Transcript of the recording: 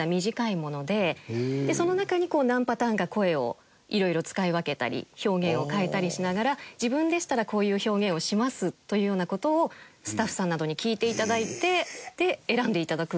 でその中に何パターンか声を色々使い分けたり表現を変えたりしながら自分でしたらこういう表現をしますというような事をスタッフさんなどに聴いて頂いてで選んで頂く。